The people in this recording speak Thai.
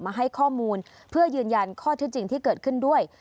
มาให้ข้อมูลเพื่อยืนยันข้อที่จริงที่เกิดขึ้นด้วย